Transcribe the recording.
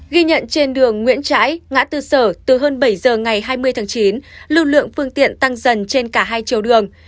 ghi nhận trên đường nguyễn trãi ngã tư sở từ hơn bảy giờ ngày hai mươi tháng chín lưu lượng phương tiện tăng dần trên cả hai chiều đường